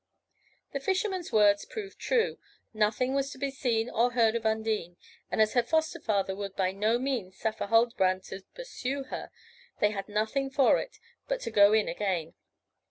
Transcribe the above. The Fisherman's words proved true. Nothing was to be seen or heard of Undine; and as her foster father would by no means suffer Huldbrand to pursue her, they had nothing for it but to go in again.